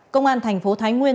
công an thành phố thái nguyên